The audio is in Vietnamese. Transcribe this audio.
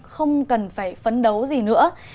không cần phải phấn đấu gì nữa